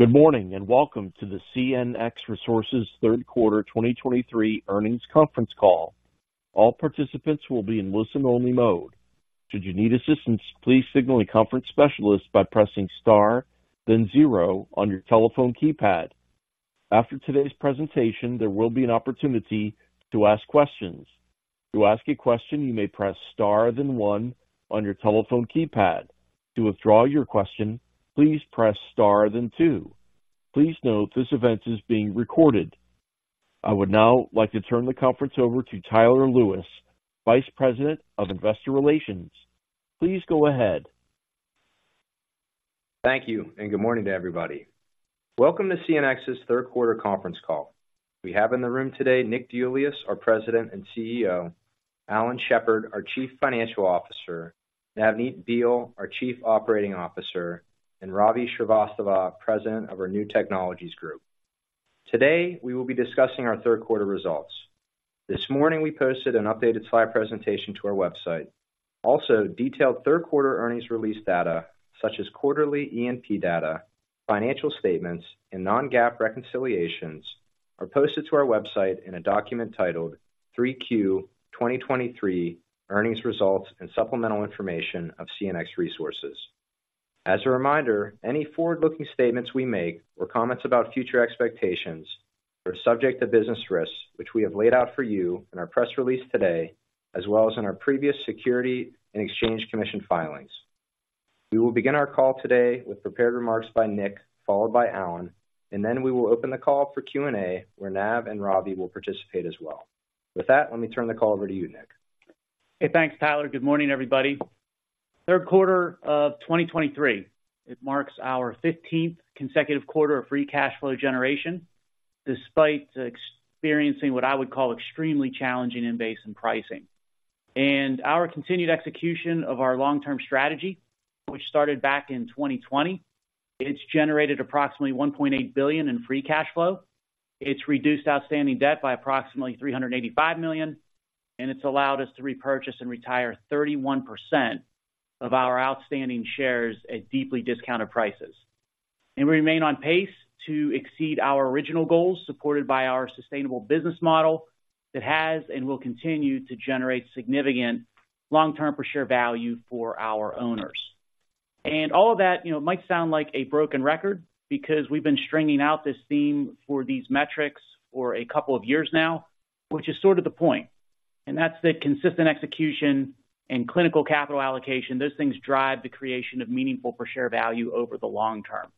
Good morning, and welcome to the CNX Resources Q3 2023 earnings conference call. All participants will be in listen-only mode. Should you need assistance, please signal a conference specialist by pressing star, then zero on your telephone keypad. After today's presentation, there will be an opportunity to ask questions. To ask a question, you may press star, then one on your telephone keypad. To withdraw your question, please press star, then two. Please note, this event is being recorded. I would now like to turn the conference over to Tyler Lewis, Vice President of Investor Relations. Please go ahead. Thank you, and good morning to everybody. Welcome to CNX Q3 conference call. We have in the room today, Nick DeIuliis, our President and CEO, Alan Shepard, our Chief Financial Officer, Navneet Behl, our Chief Operating Officer, and Ravi Srivastava, President of our New Technologies Group. Today, we will be discussing our Q3 results. This morning, we posted an updated slide presentation to our website. Also, detailed Q3 earnings release data, such as quarterly E&P data, financial statements, and non-GAAP reconciliations, are posted to our website in a document titled "3Q 2023 Earnings Results and Supplemental Information of CNX Resources." As a reminder, any forward-looking statements we make or comments about future expectations are subject to business risks, which we have laid out for you in our press release today, as well as in our previous Securities and Exchange Commission filings. We will begin our call today with prepared remarks by Nick, followed by Alan, and then we will open the call for Q&A, where Nav and Ravi will participate as well. With that, let me turn the call over to you, Nick. Hey, thanks, Tyler. Good morning, everybody. Q3 of 2023. It marks our 15th consecutive quarter of free cash flow generation, despite experiencing what I would call extremely challenging in basis and pricing. And our continued execution of our long-term strategy, which started back in 2020, it's generated approximately $1.8 billion in free cash flow. It's reduced outstanding debt by approximately $385 million, and it's allowed us to repurchase and retire 31% of our outstanding shares at deeply discounted prices. And we remain on pace to exceed our original goals, supported by our sustainable business model that has and will continue to generate significant long-term per share value for our owners. All of that, you know, might sound like a broken record because we've been stringing out this theme for these metrics for a couple of years now, which is sort of the point, and that's the consistent execution and clinical capital allocation. Those things drive the creation of meaningful per share value over the long term.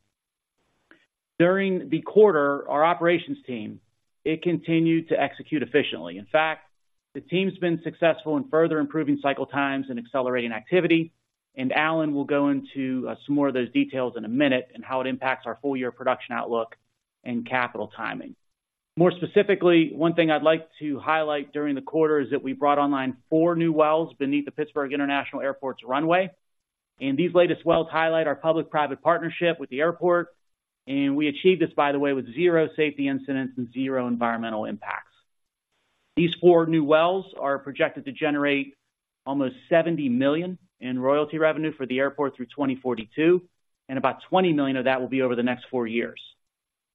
During the quarter, our operations team, it continued to execute efficiently. In fact, the team's been successful in further improving cycle times and accelerating activity, and Alan will go into some more of those details in a minute and how it impacts our full year production outlook and capital timing. More specifically, one thing I'd like to highlight during the quarter is that we brought online 4 new wells beneath the Pittsburgh International Airport's runway, and these latest wells highlight our public-private partnership with the airport, and we achieved this, by the way, with zero safety incidents and zero environmental impacts. These 4 new wells are projected to generate almost $70 million in royalty revenue for the airport through 2042, and about $20 million of that will be over the next 4 years.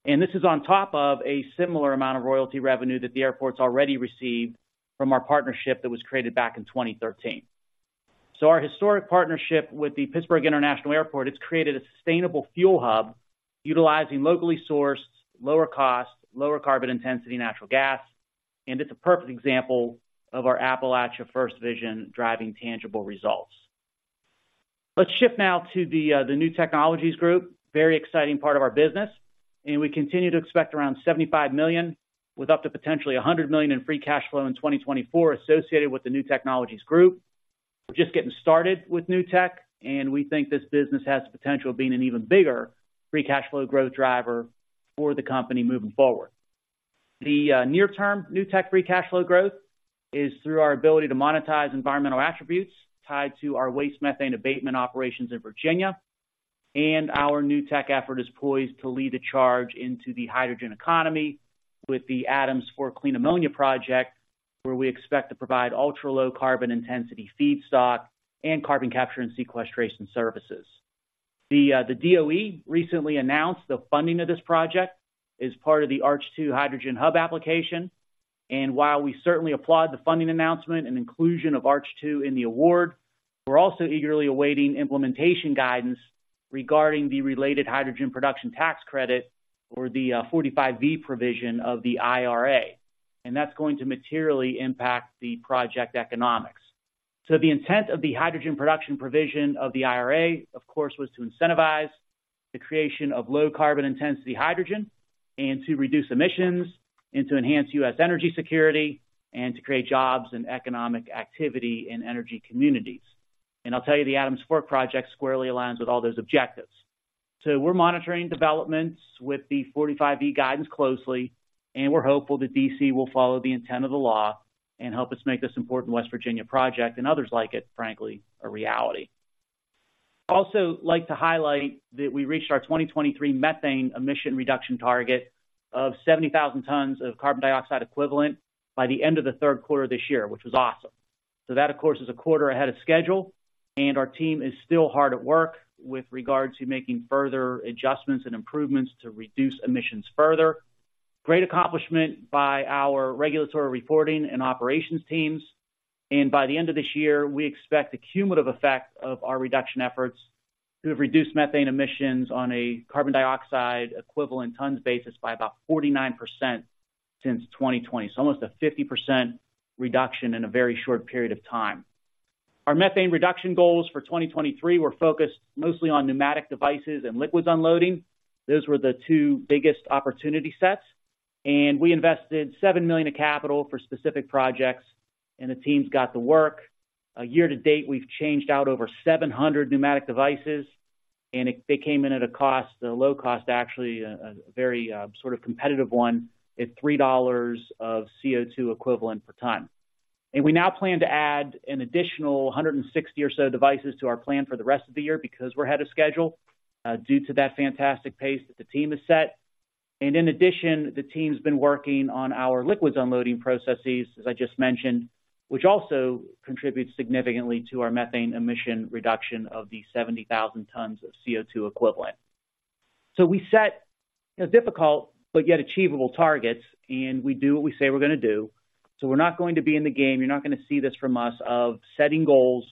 And this is on top of a similar amount of royalty revenue that the airport's already received from our partnership that was created back in 2013. So our historic partnership with the Pittsburgh International Airport, it's created a sustainable fuel hub utilizing locally sourced, lower cost, lower carbon intensity natural gas, and it's a perfect example of our Appalachia first vision driving tangible results. Let's shift now to the New Technologies Group. Very exciting part of our business, and we continue to expect around $75 million, with up to potentially $100 million in free cash flow in 2024 associated with the new technologies group. We're just getting started with new tech, and we think this business has the potential of being an even bigger free cash flow growth driver for the company moving forward. The near-term new tech free cash flow growth is through our ability to monetize environmental attributes tied to our waste methane abatement operations in Virginia, and our new tech effort is poised to lead a charge into the hydrogen economy with the Adams Fork Clean Ammonia project, where we expect to provide ultra-low carbon intensity feedstock and carbon capture and sequestration services. They are the DOE recently announced the funding of this project as part of the ARCH2 Hydrogen Hub application, and while we certainly applaud the funding announcement and inclusion of ARCH2 in the award, we're also eagerly awaiting implementation guidance regarding the related hydrogen production tax credit or the 45V provision of the IRA, and that's going to materially impact the project economics. So, the intent of the hydrogen production provision of the IRA, of course, was to incentivize the creation of low carbon intensity hydrogen and to reduce emissions, and to enhance U.S. energy security, and to create jobs and economic activity in energy communities. And I'll tell you, the Adams Fork project squarely aligns with all those objectives. So, we're monitoring developments with the 45V guidance closely, and we're hopeful that D.C. will follow the intent of the law and help us make this important West Virginia project and others like it, frankly, a reality. Also, I'd like to highlight that we reached our 2023 methane emission reduction target of 70,000 tons of carbon dioxide equivalent by the end of the Q3 this year, which was awesome.... So that, of course, is a quarter ahead of schedule, and our team is still hard at work with regard to making further adjustments and improvements to reduce emissions further. Great accomplishment by our regulatory reporting and operations teams, and by the end of this year, we expect the cumulative effect of our reduction efforts to have reduced methane emissions on a carbon dioxide equivalent tons basis by about 49% since 2020. So almost a 50% reduction in a very short period of time. Our methane reduction goals for 2023 were focused mostly on pneumatic devices and liquids unloading. Those were the two biggest opportunity sets, and we invested $7 million of capital for specific projects, and the teams got to work. Year to date, we've changed out over 700 pneumatic devices, and they came in at a cost, a low cost, actually, a very sort of competitive one, at $3 of CO₂ equivalent per ton. And we now plan to add an additional 160 or so devices to our plan for the rest of the year because we're ahead of schedule, due to that fantastic pace that the team has set. And in addition, the team's been working on our liquids unloading processes, as I just mentioned, which also contributes significantly to our methane emission reduction of the 70,000 tons of CO₂ equivalent. So we set a difficult but yet achievable targets, and we do what we say we're gonna do. So we're not going to be in the game. You're not gonna see this from us, of setting goals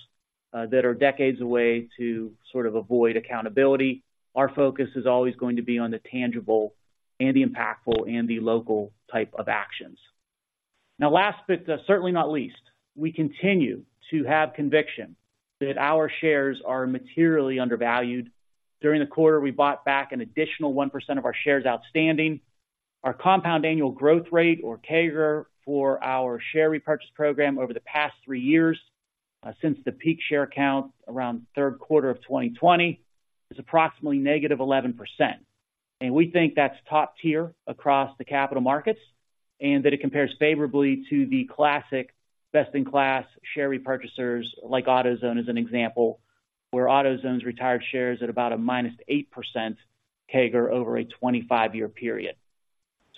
that are decades away to sort of avoid accountability. Our focus is always going to be on the tangible and the impactful and the local type of actions. Now, last but certainly not least, we continue to have conviction that our shares are materially undervalued. During the quarter, we bought back an additional 1% of our shares outstanding. Our compound annual growth rate, or CAGR, for our share repurchase program over the past 3 years, since the peak share count around the Q3 of 2020, is approximately negative 11%. We think that's top tier across the capital markets and that it compares favorably to the classic best-in-class share repurchasers, like AutoZone, as an example, where AutoZone's retired shares at about a minus 8% CAGR over a 25-year period.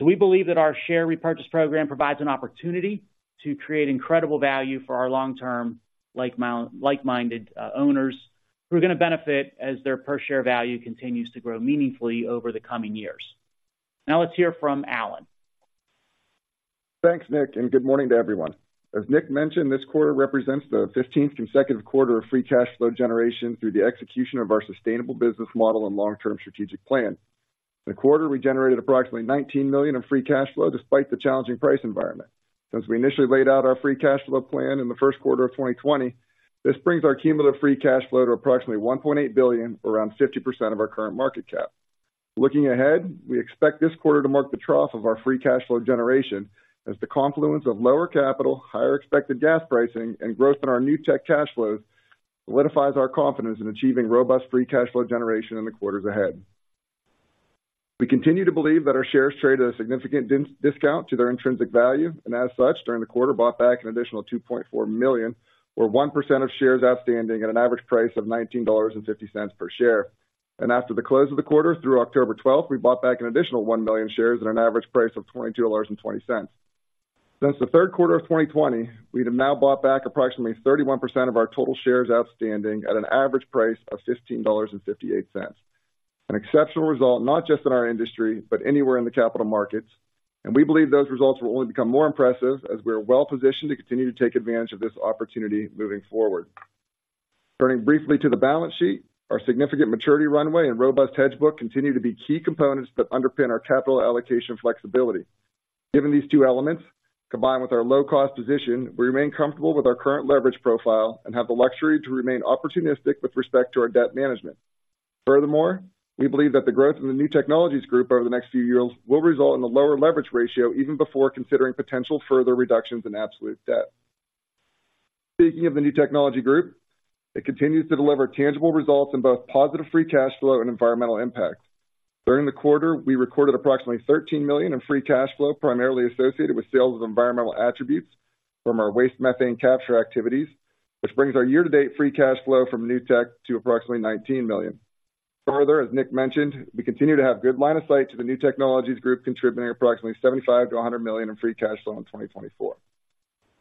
We believe that our share repurchase program provides an opportunity to create incredible value for our long-term, like-minded owners, who are gonna benefit as their per share value continues to grow meaningfully over the coming years. Now let's hear from Alan. Thanks, Nick, and good morning to everyone. As Nick mentioned, this quarter represents the 15th consecutive quarter of free cash flow generation through the execution of our sustainable business model and long-term strategic plan. In the quarter, we generated approximately $19 million in free cash flow despite the challenging price environment. Since we initially laid out our free cash flow plan in the Q1 of 2020, this brings our cumulative free cash flow to approximately $1.8 billion, around 50% of our current market cap. Looking ahead, we expect this quarter to mark the trough of our free cash flow generation, as the confluence of lower capital, higher expected gas pricing, and growth in our new tech cash flows solidifies our confidence in achieving robust free cash flow generation in the quarters ahead. We continue to believe that our shares trade at a significant discount to their intrinsic value, and as such, during the quarter, bought back an additional 2.4 million, or 1% of shares outstanding at an average price of $19.50 per share. After the close of the quarter, through October 12, we bought back an additional 1 million shares at an average price of $22.20. Since the Q3 of 2020, we have now bought back approximately 31% of our total shares outstanding at an average price of $15.58. An exceptional result, not just in our industry, but anywhere in the capital markets, and we believe those results will only become more impressive as we are well positioned to continue to take advantage of this opportunity moving forward. Turning briefly to the balance sheet, our significant maturity runway and robust hedge book continue to be key components that underpin our capital allocation flexibility. Given these two elements, combined with our low-cost position, we remain comfortable with our current leverage profile and have the luxury to remain opportunistic with respect to our debt management. Furthermore, we believe that the growth in the New Technologies Group over the next few years will result in a lower leverage ratio, even before considering potential further reductions in absolute debt. Speaking of the New Technologies Group, it continues to deliver tangible results in both positive free cash flow and environmental impact. During the quarter, we recorded approximately $13 million in free cash flow, primarily associated with sales of environmental attributes from our waste methane capture activities, which brings our year-to-date free cash flow from new tech to approximately $19 million. Further, as Nick mentioned, we continue to have good line of sight to the New Technologies Group, contributing approximately $75 million-$100 million in free cash flow in 2024.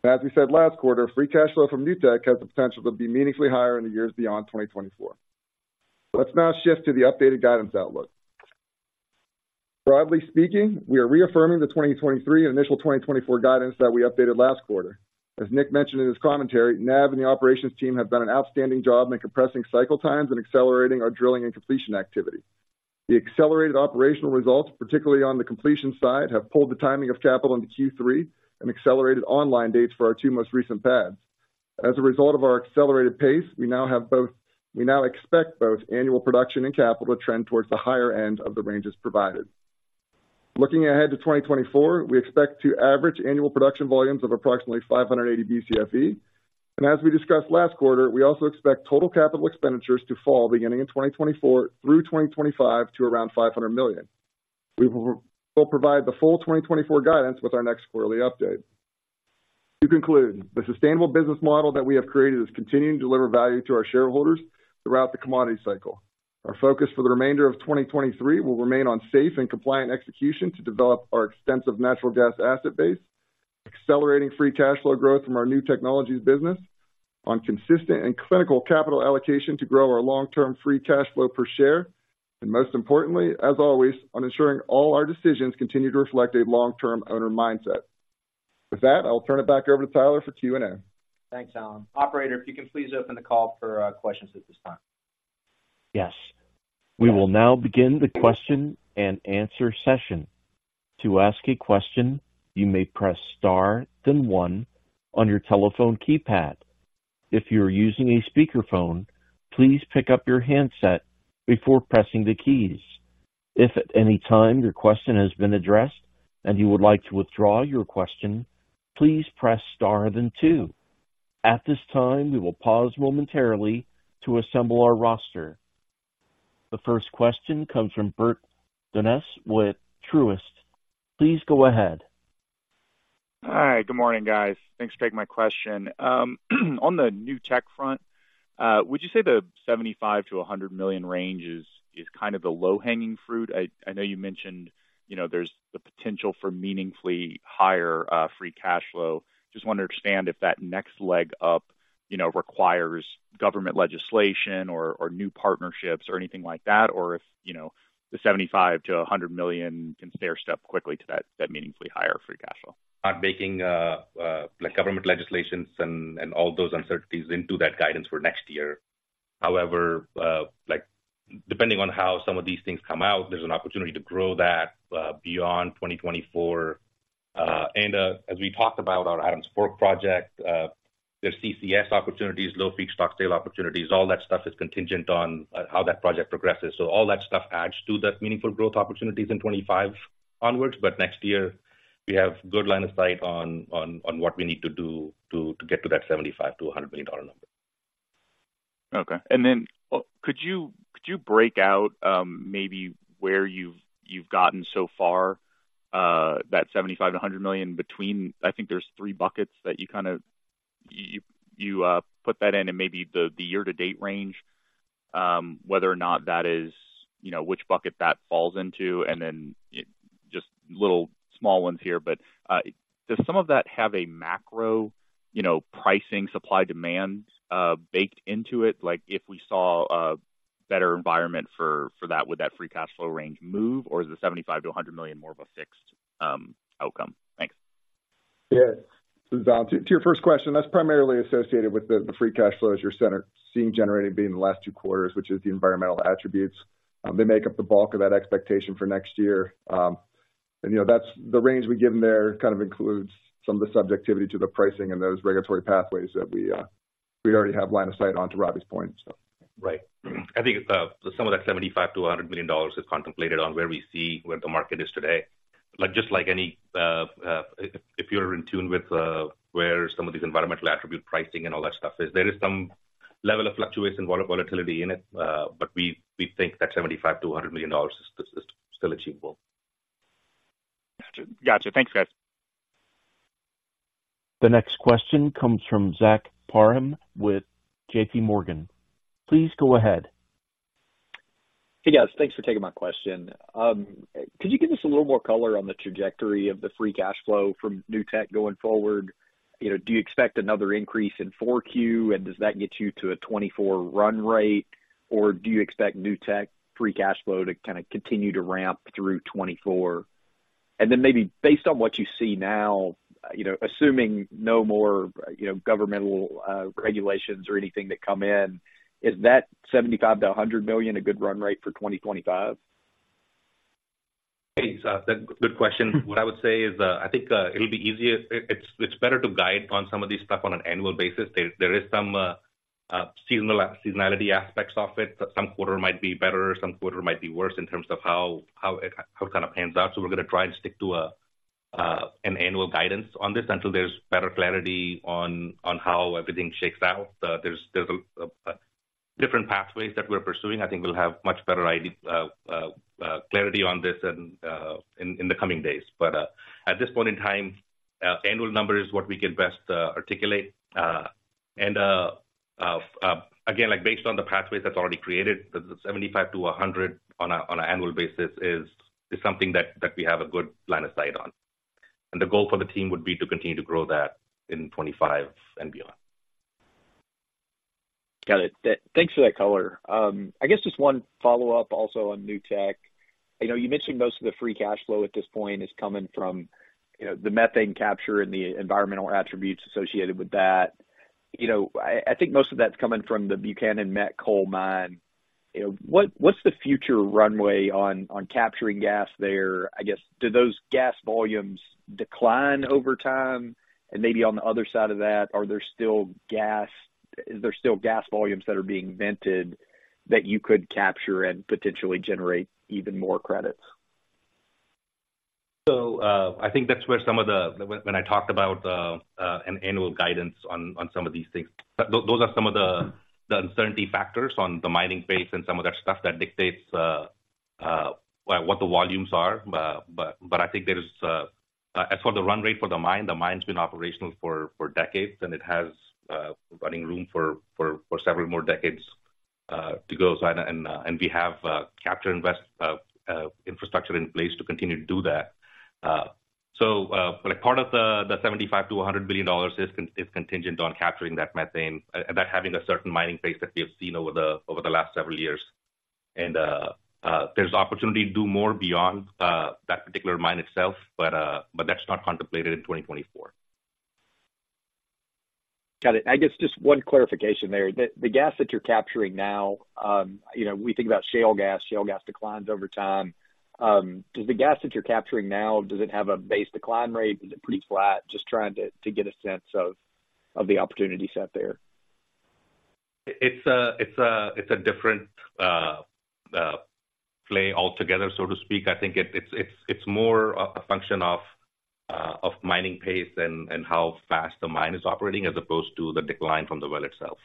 As we said last quarter, free cash flow from new tech has the potential to be meaningfully higher in the years beyond 2024. Let's now shift to the updated guidance outlook. Broadly speaking, we are reaffirming the 2023 initial 2024 guidance that we updated last quarter. As Nick mentioned in his commentary, NAV and the operations team have done an outstanding job in compressing cycle times and accelerating our drilling and completion activity. The accelerated operational results, particularly on the completion side, have pulled the timing of capital into Q3 and accelerated online dates for our two most recent pads. As a result of our accelerated pace, we now expect both annual production and capital to trend towards the higher end of the ranges provided. Looking ahead to 2024, we expect to average annual production volumes of approximately 580 Bcfe. As we discussed last quarter, we also expect total capital expenditures to fall beginning in 2024 through 2025 to around $500 million. We'll provide the full 2024 guidance with our next quarterly update. To conclude, the sustainable business model that we have created is continuing to deliver value to our shareholders throughout the commodity cycle. Our focus for the remainder of 2023 will remain on safe and compliant execution to develop our extensive natural gas asset base, accelerating free cash flow growth from our New Technologies business, on consistent and clinical capital allocation to grow our long-term free cash flow per share, and most importantly, as always, on ensuring all our decisions continue to reflect a long-term owner mindset. With that, I'll turn it back over to Tyler for Q&A. Thanks, Alan. Operator, if you can please open the call for questions at this time. Yes. We will now begin the question and answer session. To ask a question, you may press Star, then one on your telephone keypad. If you are using a speakerphone, please pick up your handset before pressing the keys. If at any time your question has been addressed and you would like to withdraw your question, please press Star then two. At this time, we will pause momentarily to assemble our roster. The first question comes from Bert Donnes with Truist. Please go ahead. Hi, good morning, guys. Thanks for taking my question. On the new tech front, would you say the $75 million-$100 million range is kind of the low-hanging fruit? I know you mentioned, you know, there's the potential for meaningfully higher free cash flow. Just wanted to understand if that next leg up, you know, requires government legislation or new partnerships or anything like that, or if, you know, the $75 million-$100 million can stair-step quickly to that meaningfully higher free cash flow. Not baking like government legislation and all those uncertainties into that guidance for next year. However, like, depending on how some of these things come out, there's an opportunity to grow that beyond 2024. And as we talked about our Adams Fork project, there's CCS opportunities, low peak stock sale opportunities. All that stuff is contingent on how that project progresses. So all that stuff adds to that meaningful growth opportunities in 2025 onwards. But next year, we have good line of sight on what we need to do to get to that $75 million-$100 million number. Okay. And then, could you break out, maybe where you've gotten so far, that $75 million-$100 million between... I think there's 3 buckets that you kind of put that in and maybe the year-to-date range, whether or not that is, you know, which bucket that falls into? And then just little small ones here, but, does some of that have a macro, you know, pricing, supply, demand, baked into it? Like, if we saw a better environment for that, would that free cash flow range move, or is the $75 million-$100 million more of a fixed outcome? Thanks. Yeah. So to your first question, that's primarily associated with the free cash flows you're seeing generating being the last two quarters, which is the environmental attributes. They make up the bulk of that expectation for next year. And, you know, that's the range we give them there, kind of, includes some of the subjectivity to the pricing and those regulatory pathways that we already have line of sight on to Ravi's point, so. Right. I think, some of that $75 million-$100 million is contemplated on where we see where the market is today. Like, just like any, if you're in tune with, where some of these environmental attribute pricing and all that stuff is, there is some level of fluctuation, vola-volatility in it, but we, we think that $75 million-$100 million is, is still achievable. Gotcha. Thanks, guys. The next question comes from Zach Parham with JP Morgan. Please go ahead. Hey, guys. Thanks for taking my question. Could you give us a little more color on the trajectory of the free cash flow from new tech going forward? You know, do you expect another increase in 4Q, and does that get you to a 2024 run rate? Or do you expect new tech free cash flow to kind of continue to ramp through 2024? And then maybe based on what you see now, you know, assuming no more, you know, governmental regulations or anything that come in, is that $75 million-$100 million a good run rate for 2025? Hey, Zach, good question. What I would say is, I think, it'll be easier, it's better to guide on some of these stuff on an annual basis. There is some seasonality aspects of it. Some quarter might be better, some quarter might be worse in terms of how it kind of pans out. So we're gonna try and stick to an annual guidance on this until there's better clarity on how everything shakes out. There's different pathways that we're pursuing. I think we'll have much better clarity on this in the coming days. But at this point in time, annual number is what we can best articulate. Again, like, based on the pathways that's already created, the 75-100 on an annual basis is something that we have a good line of sight on. The goal for the team would be to continue to grow that in 2025 and beyond. Got it. Thanks for that color. I guess just one follow-up also on new tech. I know you mentioned most of the free cash flow at this point is coming from, you know, the methane capture and the environmental attributes associated with that. You know, I think most of that's coming from the Buchanan Met Coal Mine. You know, what's the future runway on capturing gas there? I guess, do those gas volumes decline over time? And maybe on the other side of that, are there still gas volumes that are being vented that you could capture and potentially generate even more credits? So, I think that's where some of the... When I talked about an annual guidance on some of these things, those are some of the uncertainty factors on the mining pace and some of that stuff that dictates well, what the volumes are. But I think there is, as for the run rate for the mine, the mine's been operational for decades, and it has running room for several more decades to go. So and we have capture and invest infrastructure in place to continue to do that. So, like, part of the $75 billion-$100 billion is contingent on capturing that methane, that having a certain mining pace that we have seen over the last several years. There's opportunity to do more beyond that particular mine itself, but that's not contemplated in 2024. Got it. I guess just one clarification there. The gas that you're capturing now, you know, we think about shale gas, shale gas declines over time. Does the gas that you're capturing now have a base decline rate? Is it pretty flat? Just trying to get a sense of the opportunity set there. It's a different play altogether, so to speak. I think it's more of a function of mining pace and how fast the mine is operating as opposed to the decline from the well itself.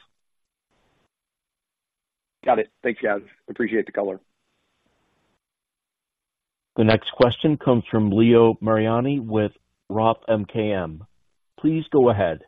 Got it. Thanks, guys. Appreciate the color. The next question comes from Leo Mariani with Roth MKM. Please go ahead.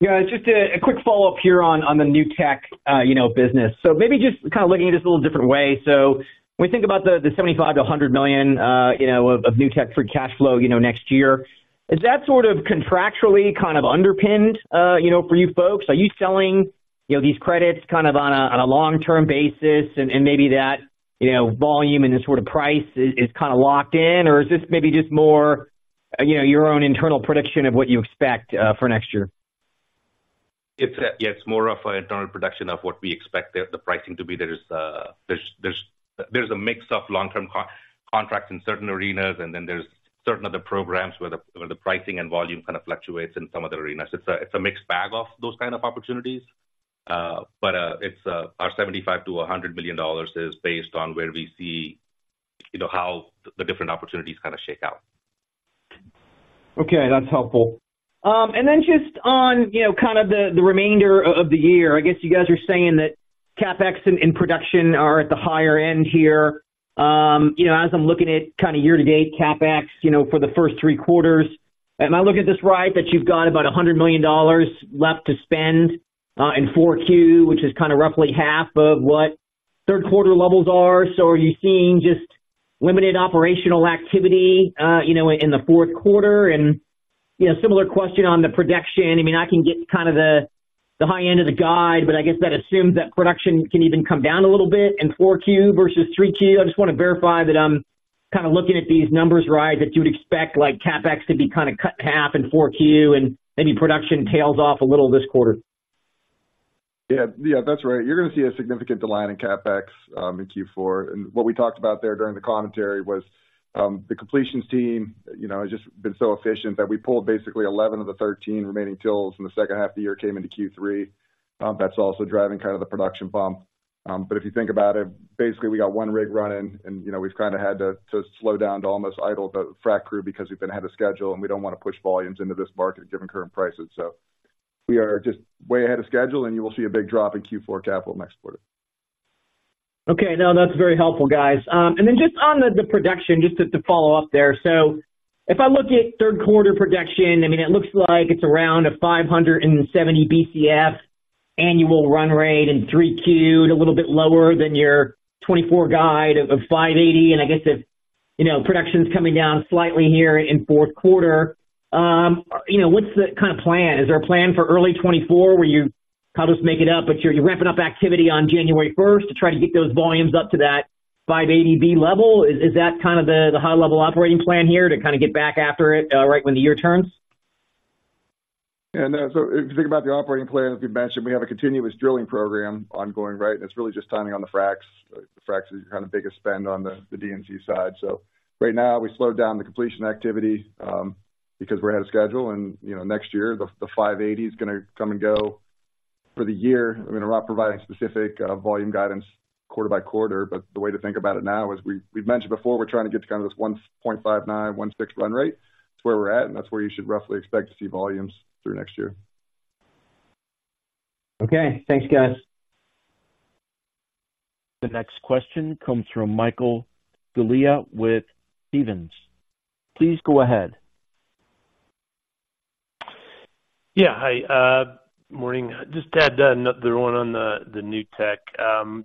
Yeah, just a quick follow-up here on the new tech, you know, business. So maybe just kind of looking at this a little different way. So when we think about the $75 million-$100 million, you know, of new tech free cash flow, you know, next year, is that sort of contractually kind of underpinned, you know, for you folks? Are you selling, you know, these credits kind of on a long-term basis and maybe that, you know, volume and the sort of price is kind of locked in? Or is this maybe just more, you know, your own internal prediction of what you expect for next year? It's yeah, it's more of an internal prediction of what we expect the pricing to be. There is, there's a mix of long-term contracts in certain arenas, and then there's certain other programs where the pricing and volume kind of fluctuates in some other arenas. It's a mixed bag of those kind of opportunities. But it's our $75 billion-$100 billion is based on where we see, you know, how the different opportunities kind of shake out. Okay, that's helpful. And then just on, you know, kind of the remainder of the year, I guess you guys are saying that CapEx and production are at the higher end here. You know, as I'm looking at kind of year-to-date CapEx, you know, for the first three quarters, am I looking at this right, that you've got about $100 million left to spend in 4Q, which is kind of roughly half of what Q3 levels are? So, are you seeing just limited operational activity, you know, in the Q4? And, you know, similar question on the production. I mean, I can get kind of the high end of the guide, but I guess that assumes that production can even come down a little bit in 4Q versus 3Q. I just want to verify that I'm kind of looking at these numbers right, that you'd expect, like, CapEx to be kind of cut in half in 4Q and maybe production tails off a little this quarter. Yeah. Yeah, that's right. You're gonna see a significant decline in CapEx in Q4. And what we talked about there during the commentary was the completions team, you know, has just been so efficient that we pulled basically 11 of the 13 remaining wells in the second half of the year, came into Q3. That's also driving kind of the production bump. But if you think about it, basically we got one rig running and, you know, we've kind of had to slow down to almost idle the frack crew because we've been ahead of schedule, and we don't want to push volumes into this market given current prices. So we are just way ahead of schedule, and you will see a big drop in Q4 capital next quarter. Okay, no, that's very helpful, guys. And then just on the production, just to follow up there. So, if I look at Q3 production, I mean, it looks like it's around a 570 BCF annual run rate in 3Q, a little bit lower than your 2024 guide of 580. And I guess if, you know, production's coming down slightly here in Q4, you know, what's the kind of plan? Is there a plan for early 2024 where you kind of just make it up, but you're ramping up activity on January first to try to get those volumes up to that 580 BCF level? Is that kind of the high-level operating plan here, to kind of get back after it right when the year turns? So if you think about the operating plan, as we mentioned, we have a continuous drilling program ongoing, right? And it's really just timing on the fracs. Fracs is kind of the biggest spend on the D&C side. So right now we slowed down the completion activity because we're ahead of schedule. And, you know, next year, the 580 is gonna come and go. For the year, I'm gonna not provide any specific volume guidance quarter by quarter, but the way to think about it now is we, we've mentioned before, we're trying to get to kind of this 1.59, 1.6 run rate. It's where we're at, and that's where you should roughly expect to see volumes through next year. Okay. Thanks, guys. The next question comes from Michael Scialla with Stephens. Please go ahead. Yeah. Hi, morning. Just to add another one on the new tech.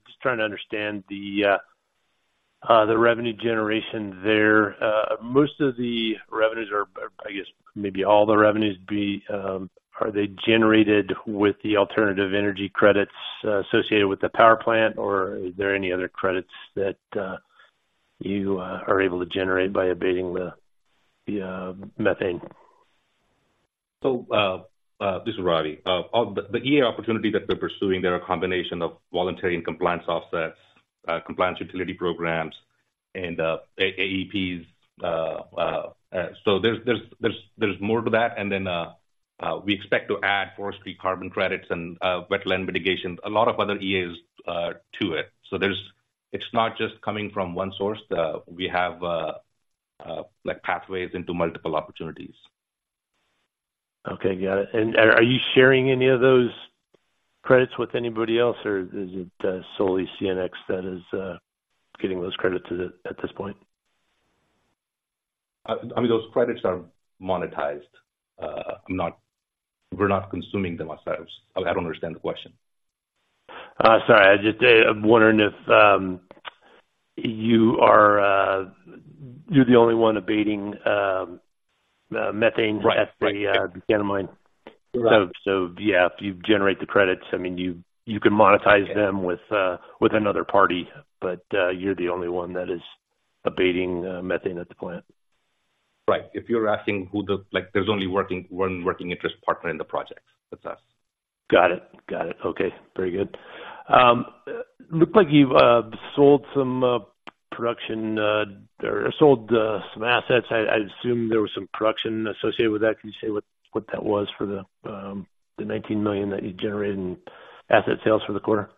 Just trying to understand the revenue generation there. Most of the revenues are—I guess maybe all the revenues are they generated with the alternative energy credits associated with the power plant, or is there any other credits that you are able to generate by abating the methane? So, this is Ravi. All the EA opportunity that we're pursuing, there are a combination of voluntary and compliance offsets, compliance utility programs and AEPS. So there's more to that, and then we expect to add forestry carbon credits and wetland mitigation, a lot of other EAs to it. So there's - it's not just coming from one source. We have like pathways into multiple opportunities. Okay, got it. And are you sharing any of those credits with anybody else, or is it solely CNX that is getting those credits at this point? I mean, those credits are monetized. I'm not, we're not consuming them ourselves. I don't understand the question. Sorry, I just, I'm wondering if you are, you're the only one abating methane? Right. at the Buchanan mine. Right. Yeah, you generate the credits. I mean, you can monetize them with another party, but you're the only one that is abating methane at the plant. Right. If you're asking who the—like, there's only one working interest partner in the project. That's us. Got it. Got it. Okay, very good. Looked like you've sold some production or sold some assets. I, I assume there was some production associated with that. Can you say what that was for the $19 million that you generated in asset sales for the quarter?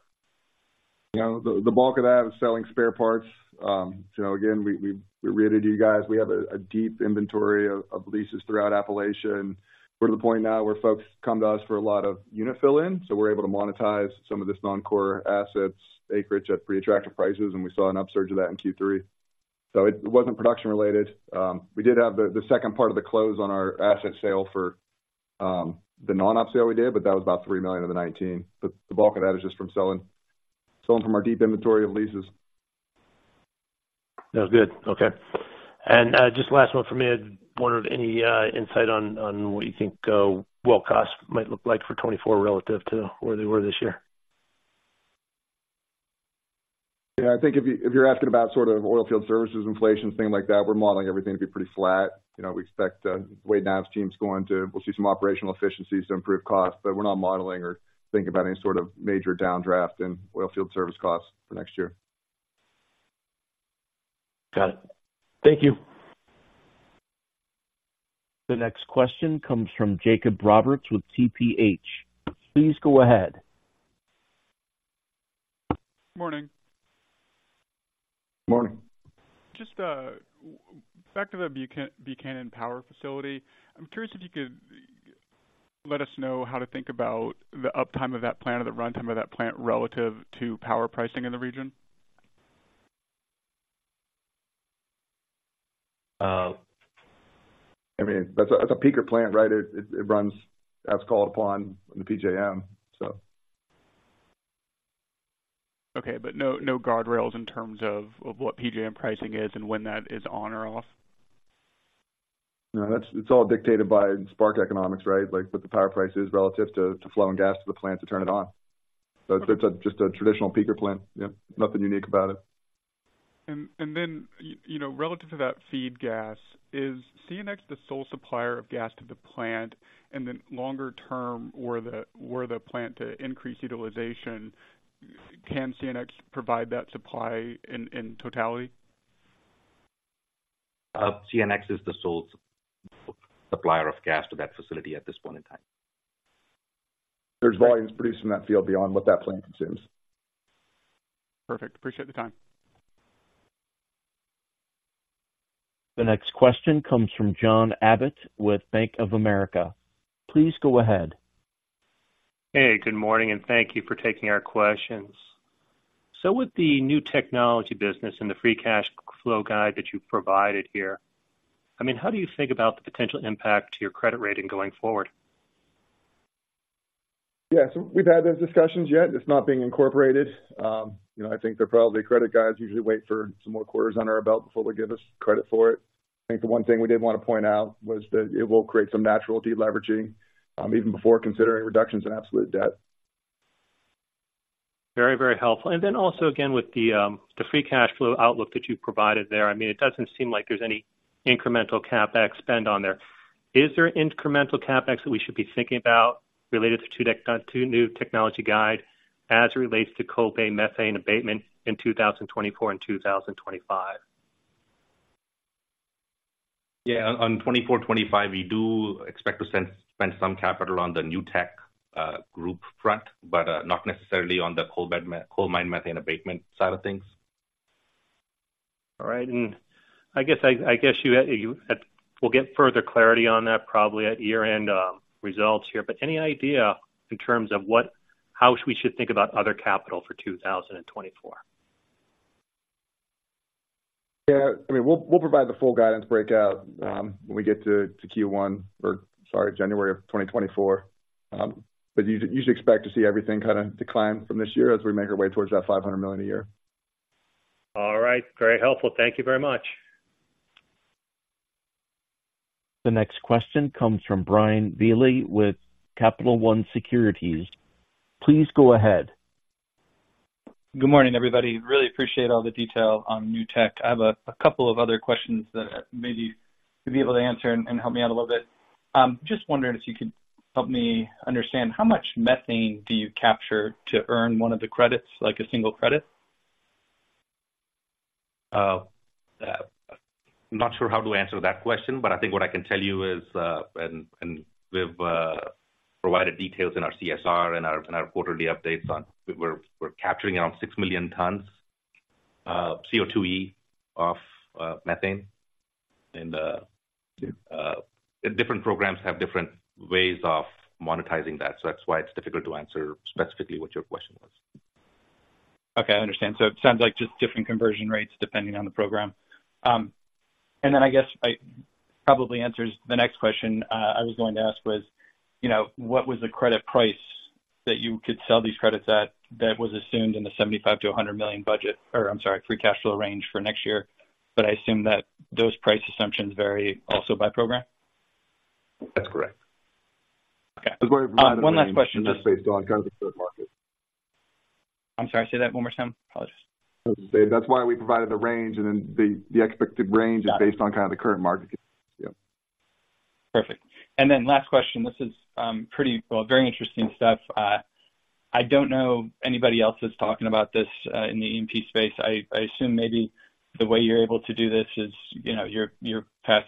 You know, the bulk of that is selling spare parts. You know, again, we read it to you guys. We have a deep inventory of leases throughout Appalachia, and we're at the point now where folks come to us for a lot of unit fill-in, so we're able to monetize some of this non-core assets, acreage at pretty attractive prices, and we saw an upsurge of that in Q3. So it wasn't production related. We did have the second part of the close on our asset sale for the non-op sale we did, but that was about $3 million of the $19 million. The bulk of that is just from selling from our deep inventory of leases. That's good. Okay. And, just last one from me. I wondered, any insight on, on what you think, well costs might look like for 2024 relative to where they were this year? Yeah, I think if you, if you're asking about sort of oil field services, inflation, things like that, we're modeling everything to be pretty flat. You know, we expect, Nav's team's going to... We'll see some operational efficiencies to improve costs, but we're not modeling or thinking about any sort of major downdraft in oil field service costs for next year. Got it. Thank you. The next question comes from Jacob Roberts with TPH. Please go ahead. Morning. Morning. Just back to the Buchanan Power facility. I'm curious if you could let us know how to think about the uptime of that plant or the runtime of that plant relative to power pricing in the region? Uh... I mean, that's a Peaker plant, right? It runs as called upon in the PJM, so. Okay, but no, no guardrails in terms of, of what PJM pricing is and when that is on or off? No, it's all dictated by spark economics, right? Like, what the power price is relative to flowing gas to the plant to turn it on. So, it's just a traditional Peaker plant. Yeah, nothing unique about it. And then, you know, relative to that feed gas, is CNX the sole supplier of gas to the plant? And then longer term, were the plant to increase utilization, can CNX provide that supply in totality? CNX is the sole supplier of gas to that facility at this point in time. There's volumes produced in that field beyond what that plant consumes. Perfect. Appreciate the time. The next question comes from John Abbott with Bank of America. Please go ahead. Hey, good morning, and thank you for taking our questions. So with the new technology business and the free cash flow guide that you've provided here, I mean, how do you think about the potential impact to your credit rating going forward? Yes, we've had those discussions yet. It's not being incorporated. You know, I think that probably credit guys usually wait for some more quarters under our belt before they give us credit for it. I think the one thing we did want to point out was that it will create some natural deleveraging, even before considering reductions in absolute debt. Very, very helpful. And then also, again, with the, the free cash flow outlook that you provided there, I mean, it doesn't seem like there's any incremental CapEx spend on there. Is there incremental CapEx that we should be thinking about related to two new technology guide as it relates to coalbed methane abatement in 2024 and 2025? Yeah, on 2024, 2025, we do expect to spend some capital on the new tech group front, but not necessarily on the coal mine methane abatement side of things. All right. And I guess we'll get further clarity on that probably at year-end results here, but any idea in terms of what - how we should think about other capital for 2024? Yeah, I mean, we'll provide the full guidance breakout when we get to Q1 or, sorry, January of 2024. But you should expect to see everything kind of decline from this year as we make our way towards that $500 million a year. All right. Very helpful. Thank you very much. The next question comes from Brian Velie with Capital One Securities. Please go ahead. Good morning, everybody. Really appreciate all the detail on new tech. I have a couple of other questions that maybe you'll be able to answer and help me out a little bit. Just wondering if you could help me understand, how much methane do you capture to earn one of the credits, like a single credit? Not sure how to answer that question, but I think what I can tell you is, and we've provided details in our CSR and our quarterly updates on... We're capturing around 6 million tons. CO2e of methane. And, and different programs have different ways of monetizing that. So that's why it's difficult to answer specifically what your question was. Okay, I understand. So, it sounds like just different conversion rates depending on the program. And then I guess it probably answers the next question I was going to ask, you know, what was the credit price that you could sell these credits at that was assumed in the $75 million-$100 million budget, or I'm sorry, free cash flow range for next year, but I assume that those price assumptions vary also by program? That's correct. Okay. One last question, just based on kind of the current market. I'm sorry, say that one more time, please. That's why we provided the range, and then the expected range is based on kind of the current market. Yeah. Perfect. And then last question. This is pretty... Well, very interesting stuff. I don't know anybody else that's talking about this in the E&P space. I assume maybe the way you're able to do this is, you know, your past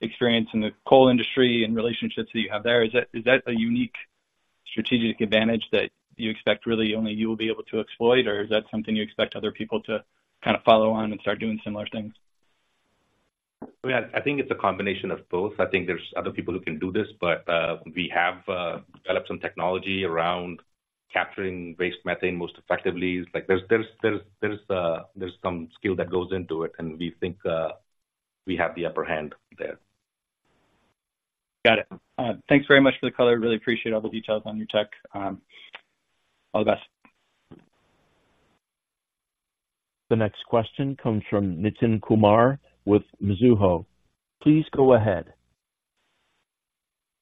experience in the coal industry and relationships that you have there. Is that a unique strategic advantage that you expect really only you will be able to exploit? Or is that something you expect other people to kind of follow on and start doing similar things? I mean, I think it's a combination of both. I think there's other people who can do this, but we have developed some technology around capturing waste methane most effectively. Like, there's some skill that goes into it, and we think we have the upper hand there. Got it. Thanks very much for the color. Really appreciate all the details on your tech. All the best. The next question comes from Nitin Kumar with Mizuho. Please go ahead.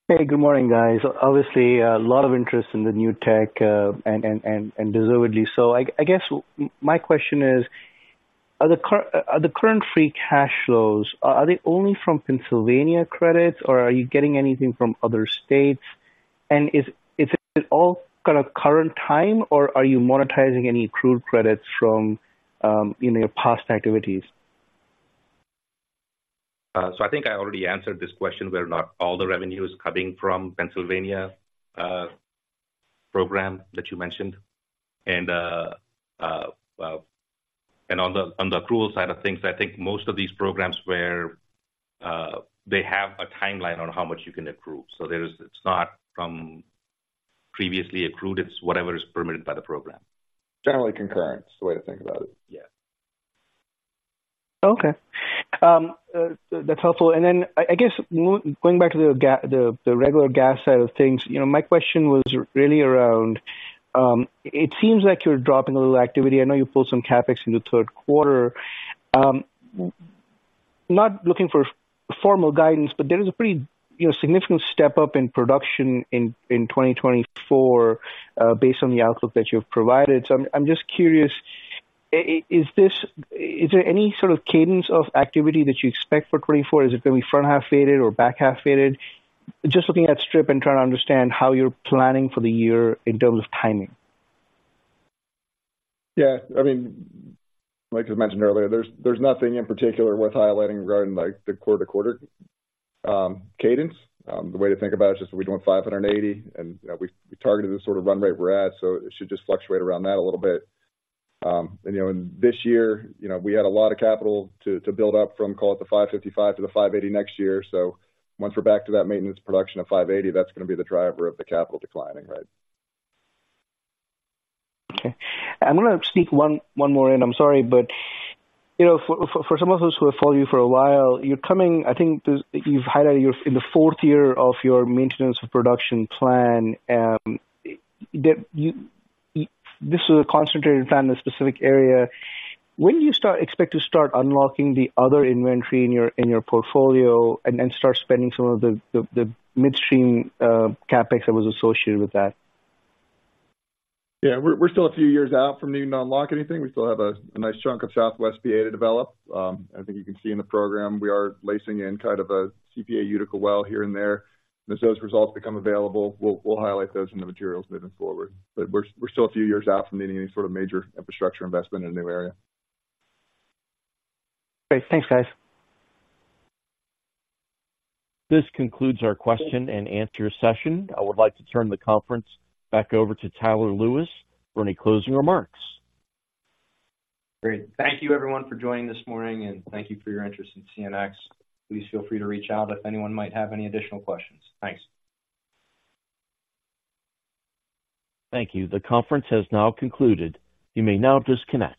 Hey, good morning, guys. Obviously, a lot of interest in the new tech, and deservedly so. I guess my question is, are the current free cash flows, are they only from Pennsylvania credits, or are you getting anything from other states? And is it all kind of current time, or are you monetizing any accrued credits from, you know, past activities? So, I think I already answered this question, where not all the revenue is coming from Pennsylvania program that you mentioned. Well, on the accrual side of things, I think most of these programs where they have a timeline on how much you can accrue. So, there is - it's not from previously accrued, it's whatever is permitted by the program. Generally concurrent, is the way to think about it. Yeah. Okay. That's helpful. And then I guess going back to the gas side of things, you know, my question was really around, it seems like you're dropping a little activity. I know you pulled some CapEx into Q3. Not looking for formal guidance, but there is a pretty, you know, significant step up in production in 2024, based on the outlook that you've provided. So, I'm just curious, is this-- is there any sort of cadence of activity that you expect for 2024? Is it going to be front half faded or back half faded? Just looking at strip and trying to understand how you're planning for the year in terms of timing. Yeah, I mean, like I mentioned earlier, there's nothing in particular worth highlighting regarding, like, the quarter-to-quarter cadence. The way to think about it is just we're doing 580, and, you know, we targeted the sort of run rate we're at, so it should just fluctuate around that a little bit. And, you know, and this year, you know, we had a lot of capital to build up from, call it the 555 to the 580 next year. So, once we're back to that maintenance production of 580, that's going to be the driver of the capital declining, right? Okay. I'm gonna sneak one more in. I'm sorry, but, you know, for some of us who have followed you for a while, you're coming... I think you've highlighted you're in the fourth year of your maintenance production plan, that this is a concentrated time in a specific area. When do you expect to start unlocking the other inventory in your portfolio and then start spending some of the midstream CapEx that was associated with that? Yeah. We're still a few years out from needing to unlock anything. We still have a nice chunk of Southwest PA to develop. I think you can see in the program, we are lacing in kind of a SW PA Utica well here and there. And as those results become available, we'll highlight those in the materials moving forward. But we're still a few years out from needing any sort of major infrastructure investment in a new area. Great. Thanks, guys. This concludes our question and answer session. I would like to turn the conference back over to Tyler Lewis for any closing remarks. Great. Thank you, everyone, for joining this morning, and thank you for your interest in CNX. Please feel free to reach out if anyone might have any additional questions. Thanks. Thank you. The conference has now concluded. You may now disconnect.